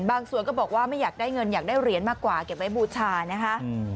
ก็บอกว่าไม่อยากได้เงินอยากได้เหรียญมากกว่าเก็บไว้บูชานะคะ